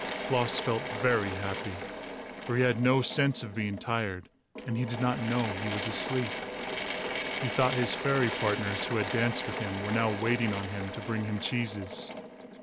Klaas felt very happy, for he had no sense of being tired, and he did not know he was asleep. He thought his fairy partners, who had danced with him, were now waiting on him to bring him cheeses.